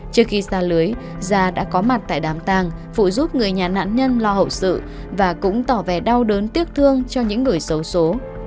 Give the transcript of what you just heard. trước khi xa lưới gia đã có mặt tại đám tàng phụ giúp người nhà nạn nhân lo hậu sự và cũng tỏ về đau đớn tiếc thương cho những người xấu xố